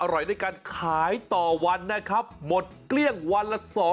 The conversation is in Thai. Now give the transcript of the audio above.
อร่อยได้การขายต่อวันนะครับหมดเคลื่อนวันละ๒๐๐๐